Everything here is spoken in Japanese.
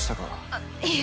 あっいえ